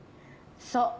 そう。